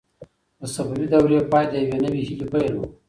د صفوي دورې پای د یوې نوې هیلې پیل و.